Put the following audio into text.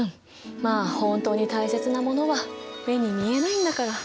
まあ本当に大切なものは目に見えないんだから！